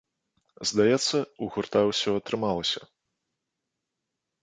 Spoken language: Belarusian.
Здаецца, у гурта ўсё атрымалася!